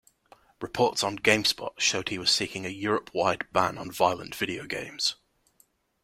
Reports on "GameSpot" showed he was seeking a Europe-wide ban on violent videogames.